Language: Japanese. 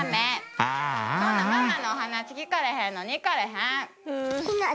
ああママのお話聞かれへんのに行かれへん。